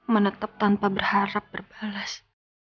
menetap tanpa berharap berbalas